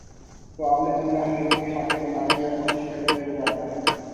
وہ اپنے دن راہگیروں کے خاکے بنانے یا کوشش کرنے میں گزارتا ہے